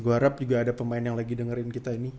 gue harap juga ada pemain yang lagi dengerin kita ini